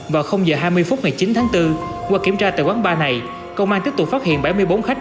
vào giờ hai mươi phút ngày chín tháng bốn qua kiểm tra tại quán bar này công an tiếp tục phát hiện bảy mươi bốn khách